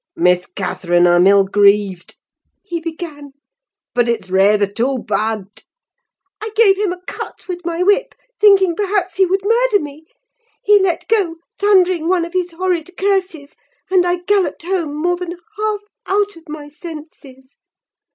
"'Miss Catherine, I'm ill grieved,' he began, 'but it's rayther too bad—' "I gave him a cut with my whip, thinking perhaps he would murder me. He let go, thundering one of his horrid curses, and I galloped home more than half out of my senses.